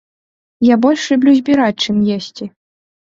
Я больш люблю збіраць, чым есці.